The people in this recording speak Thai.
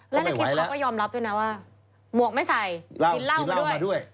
และในคลิปเขาก็ยอมรับด้วยนะว่าหมวกไม่ใส่กินเหล้ามาด้วย